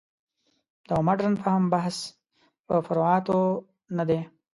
د مډرن فهم بحث پر فروعاتو نه دی.